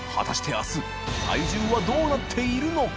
あす体重はどうなっているのか？